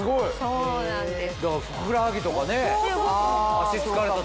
そうなんですよ。